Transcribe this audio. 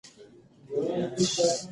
هيڅ مي زړه نه غوښتی .